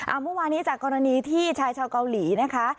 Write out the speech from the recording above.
เมื่อวานี้จากกรณีที่ชายชาวเกาหลีนะคะ